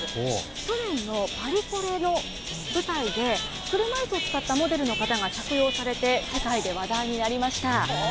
去年のパリコレの舞台で、車いすを使ったモデルの方が着用されて世界で話題になりました。